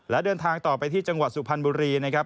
และเดินทางต่อไปที่จังหวัดสุพรรณบุรีนะครับ